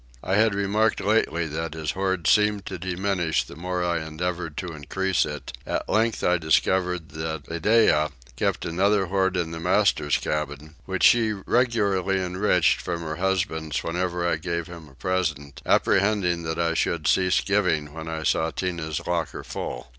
I had remarked lately that his hoard seemed to diminish the more I endeavoured to increase it: at length I discovered that Iddeah kept another hoard in the master's cabin, which she regularly enriched from her husband's whenever I made him a present, apprehending that I should cease giving when I saw Tinah's locker full.